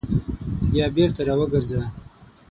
بیا بېرته راوګرځه !